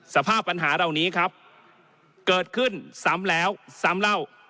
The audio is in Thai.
สภาพปัญหาเหล่านี้ครับเกิดขึ้นซ้ำแล้วซ้ำเล่า